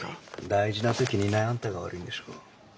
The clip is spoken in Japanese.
大事な時にいないあんたが悪いんでしょ。